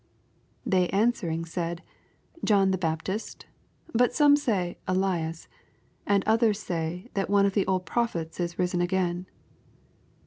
19 They answering sfdd, John the Baptist; bat some say^ Ellas : and others «a^, that one of the old pro phets is risen again.